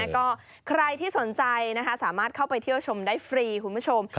ก็ใครที่สนใจสามารถเข้าไปเที่ยวชมได้ฟรีคุณผู้ชม